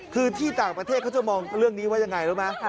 คือที่ต่างประเทศเขาจะมองเรื่องนี้ว่ายังไงรู้ไหม